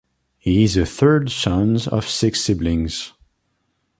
He is the third son of six siblings.